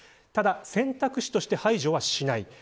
ただ選択肢として排除はしない。